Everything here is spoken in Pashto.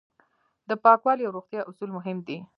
د پاکوالي او روغتیا اصول مهم دي.